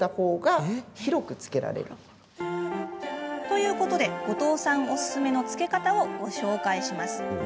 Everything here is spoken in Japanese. ということで後藤さんおすすめのつけ方をご紹介。